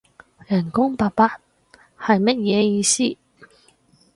人工八百？係乜嘢意思？